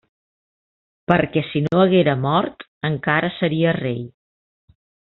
Perquè si no haguera mort, encara seria rei.